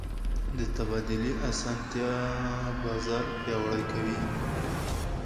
د تبادلې اسانتیا بازار پیاوړی کوي.